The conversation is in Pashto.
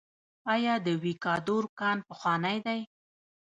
آیا د ویکادور کان پخوانی دی؟